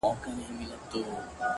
دا سدی پرېږده دا سړی له سړيتوبه وځي!!